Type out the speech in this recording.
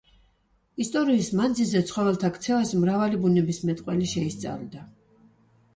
ისტორიის მანძილზე ცხოველთა ქცევას მრავალი ბუნებისმეტყველი შეისწავლიდა.